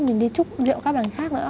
mình đi chúc rượu các bàn khác nữa